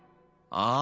ああ。